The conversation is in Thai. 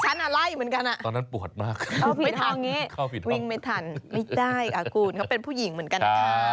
ตอนนั้นตอนนั้นปวดมากเข้าผิดห้องนี้วิ่งไม่ทันไม่ได้อีกอากูลเขาเป็นผู้หญิงเหมือนกัน